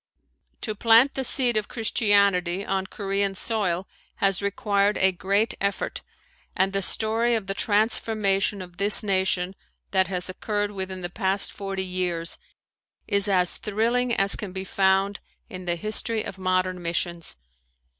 To plant the seed of Christianity on Korean soil has required a great effort and the story of the transformation of this nation that has occurred within the past forty years is as thrilling as can be found in the history of modern missions.